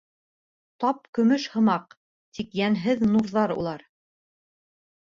Тап көмөш һымаҡ, тик йәнһеҙ нурҙар улар.